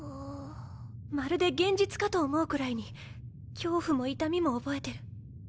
まるで現実かと思うくらいに恐怖も痛みも覚えてる。